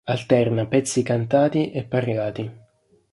Alterna pezzi cantati e parlati.